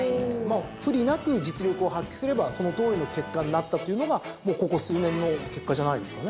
不利なく実力を発揮すればそのとおりの結果になったというのがもうここ数年の結果じゃないですかね。